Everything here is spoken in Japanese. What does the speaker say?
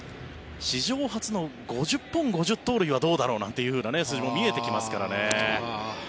史上初の５０本５０盗塁はどうだろうという数字も見えてきますからね。